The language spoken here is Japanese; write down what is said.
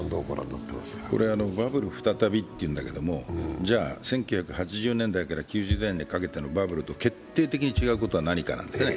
バブル再びっていうんだけれども、じゃあ、１９８０年代から１９９０年代のバブル期と決定的に違うことは何かなんですね。